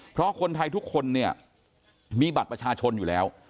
เพราะคนไทยทุกคนเนี่ยมีบัตรประชาชนอยู่แล้ว